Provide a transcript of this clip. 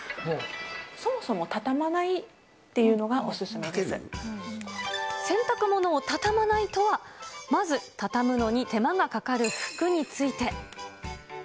そもそも畳まないっていうの洗濯物を畳まないとは、まず畳むのに手間がかかる服について。